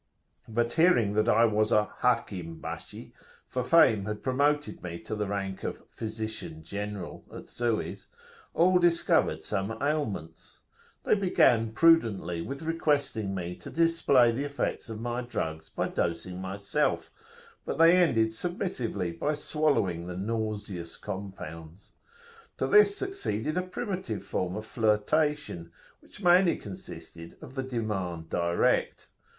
But hearing that I was a Hakim bashi for fame had promoted me to the rank of a "Physician General" at Suez all discovered some ailments. They began prudently with requesting me to display the effects of my drugs by dosing myself, but they ended submissively by swallowing the nauseous compounds. To this succeeded a primitive form of flirtation, which mainly consisted of the demand direct.